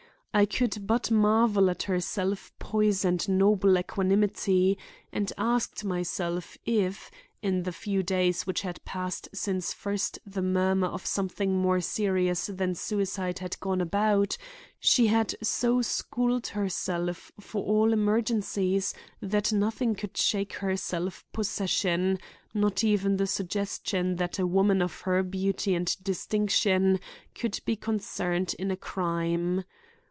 I could but marvel at her self poise and noble equanimity, and asked myself if, in the few days which had passed since first the murmur of something more serious than suicide had gone about, she had so schooled herself for all emergencies that nothing could shake her self possession, not even the suggestion that a woman of her beauty and distinction could be concerned in a crime.